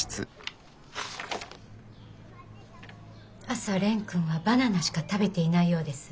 朝君はバナナしか食べていないようです。